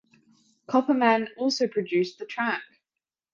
Copperman also produced the track.